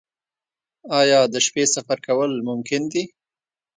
آیا د شپې سفر کول ممکن دي؟